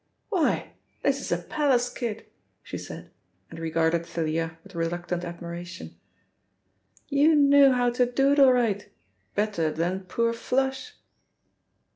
"Why this is a palace, kid," she said, and regarded Thalia with reluctant admiration. "You know how to do it all right, better than poor 'Flush'."